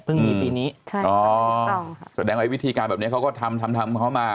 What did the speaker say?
มีปีนี้ใช่อ๋อแสดงว่าวิธีการแบบนี้เขาก็ทำทำเขามา